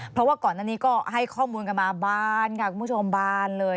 เพราะว่าก่อนอันนี้ก็ให้ข้อมูลกันมาบานค่ะคุณผู้ชมบานเลย